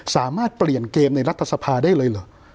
สามารถเปลี่ยนเกมในรัฐสภาได้เลยเหรอ